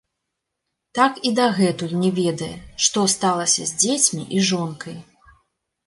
Так і дагэтуль не ведае, што сталася з дзецьмі і жонкай.